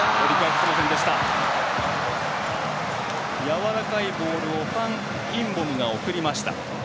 やわらかいボールをファン・インボムが送りました。